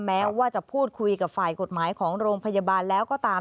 แม้ว่าจะพูดคุยกับฝ่ายกฎหมายของโรงพยาบาลแล้วก็ตาม